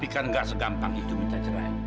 kan gak segampang itu minta cerai